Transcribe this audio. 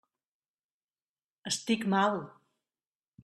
Estic mal!